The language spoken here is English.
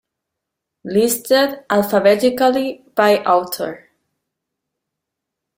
Listed alphabetically by author.